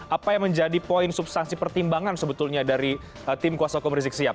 apa yang menjadi poin substansi pertimbangan sebetulnya dari tim kuasa hukum rizik siap